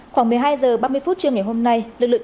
khoảng một mươi hai h ba mươi phút trưa ngày hôm nay lực lượng